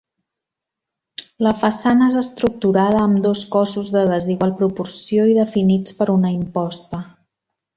La façana és estructurada amb dos cossos de desigual proporció i definits per una imposta.